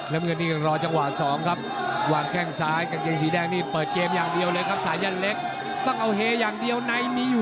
น้ำเงินนี้กังว่าจังหวะ๒ครับวางแก้งซ้าย